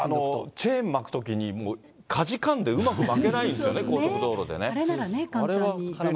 チェーン巻くとき、かじかんでうまく巻けないんですよね、あれなら簡単に。